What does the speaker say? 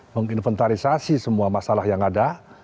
menginventarisasi semua masalah yang ada